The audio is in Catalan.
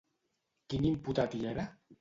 Quin imputat hi era?